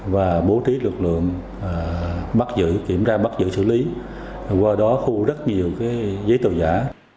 và bố trí lực lượng kiểm tra bắt giữ xử lý qua đó khu rất nhiều giấy tờ giả